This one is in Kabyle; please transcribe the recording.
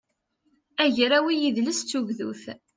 agraw i yidles d tugdut